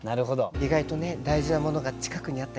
意外とね大事なものが近くにあったりするんです。